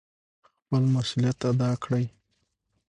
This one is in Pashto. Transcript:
خپل مسؤلیت ادا کړئ.